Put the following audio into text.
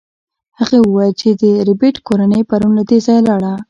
هغې وویل چې د ربیټ کورنۍ پرون له دې ځایه لاړه